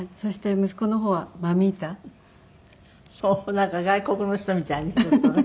なんか外国の人みたいねちょっとね。